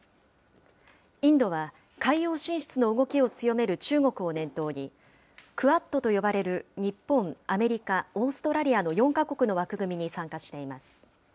インドは、海洋進出の動きを強める中国を念頭に、クアッドと呼ばれる日本、アメリカ、オーストラリアの４か国の枠組みに参加しています。